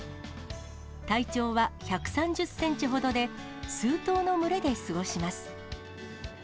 体長は１３０センチほどで、数頭の群れで過ごします。